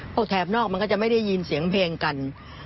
แถบนอกมันก็จะไม่ได้ยินเสียงเพลงกัน